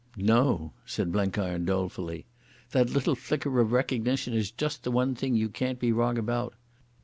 "No," said Blenkiron dolefully, "that little flicker of recognition is just the one thing you can't be wrong about.